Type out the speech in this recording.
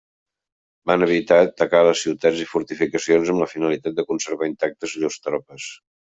Van evitar atacar les ciutats i fortificacions amb la finalitat de conservar intactes llurs tropes.